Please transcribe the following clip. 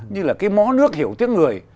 như là cái mó nước hiểu tiếc người